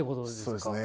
そうですね。